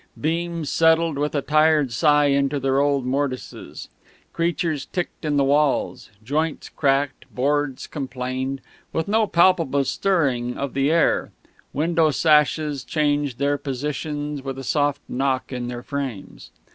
Beams settled with a tired sigh into their old mortices; creatures ticked in the walls; joints cracked, boards complained; with no palpable stirring of the air window sashes changed their positions with a soft knock in their frames.